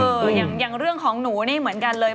อย่างเรื่องของหนูนี่เหมือนกันเลย